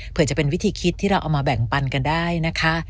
เพื่อจะเป็นวิธีคิดที่เราเอามาแบ่งปันกันได้นะคะ